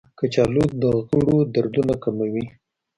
کچالو د غړو دردونه کموي.